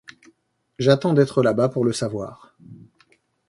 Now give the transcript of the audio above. J'attends d'être là-bas pour le savoir.